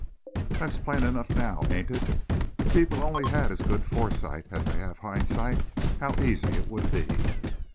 That's plain enough now, ain't it! If people only had as good foresight as they have hindsight, how easy it would be!"